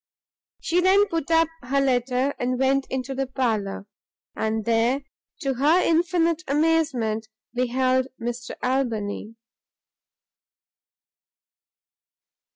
She then put up her letter, and went into the parlour; and there, to her infinite amazement, beheld Mr Albany.